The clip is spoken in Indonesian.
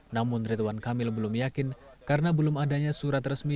namun ridwan kamil belum yakin karena belum adanya surat resmi